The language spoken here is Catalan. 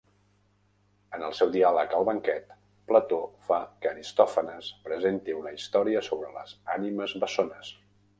En el seu diàleg "El banquet", Plató fa que Aristòfanes presenti una història sobre les ànimes bessones.